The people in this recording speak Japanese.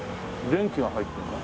電気が入ってるんだ。